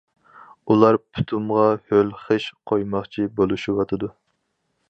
ئۇلار پۇتۇمغا ھۆل خىش قويماقچى بولۇشۇۋاتىدۇ.